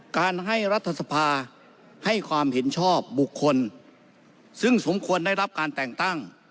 การให้รัฐสภาให้ความเห็นชอบบุคคลซึ่งสมควรได้รับการแต่งตั้ง